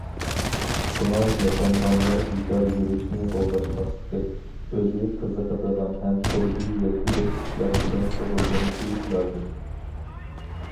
شۇڭا ياشانغانلار بىكار يۈرۈشنى قوغلاشماسلىقى، ئۆزى قىزىقىدىغان ھەم قۇربى يەتكۈدەك ئىشلار بىلەن شۇغۇللىنىشى لازىم.